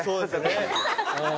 そうですね。